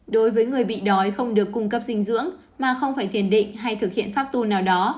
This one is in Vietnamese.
đối với người bị đói không được cung cấp dinh dưỡng mà không phải thiền định hay thực hiện pháp tu nào đó